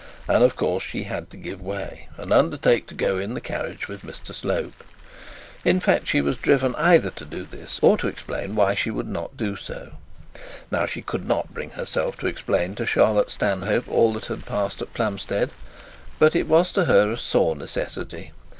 And of course she had to give way, and undertake to go in the carriage with Mr Slope. In fact, she was driven either to so this, or to explain why she would not do so. Now she could not bring herself to explain to Charlotte Stanhope all that had passed at Plumstead. But it was to her a sore necessity.